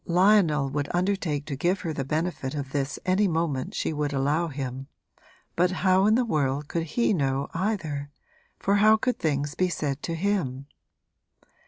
Lionel would undertake to give her the benefit of this any moment she would allow him, but how in the world could he know either, for how could things be said to him?